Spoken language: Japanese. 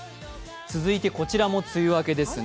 続いてこちらも梅雨明けですね。